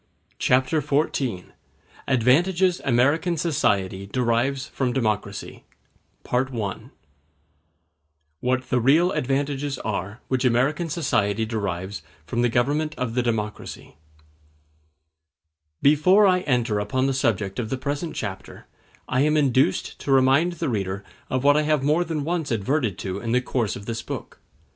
Chapter XIV: Advantages American Society Derive From Democracy—Part I What The Real Advantages Are Which American Society Derives From The Government Of The Democracy Before I enter upon the subject of the present chapter I am induced to remind the reader of what I have more than once adverted to in the course of this book.